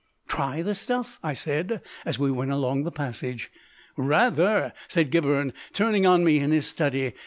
"Try the stuff?" I said, as we went along the passage. "Rather," said Gibberne, turning on me in his study.